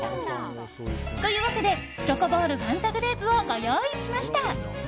というわけでチョコボールファンタグレープをご用意しました。